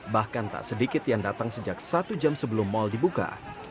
bahkan tak sedikit yang datang sejak satu jam sebelum mal dibuka